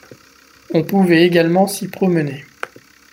On pouvait également s'y promener.